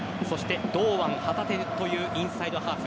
堂安、旗手というインサイドハーフ。